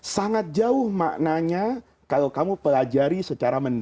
sangat jauh maknanya kalau kamu pelajari secara mendalam